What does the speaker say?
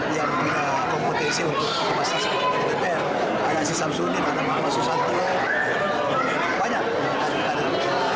yang punya kompetensi untuk memastikan ketua dpr aziz syamsuddin anamah masusantia banyak